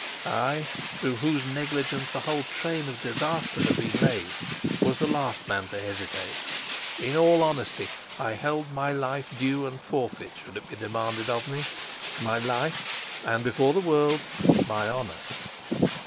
I, through whose negligence the whole train of disaster had been laid, was the last man to hesitate. In all honesty, I held my life due and forfeit, should it be demanded of me my life and, before the world, my honor.